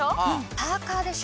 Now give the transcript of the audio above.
パーカーでしょ。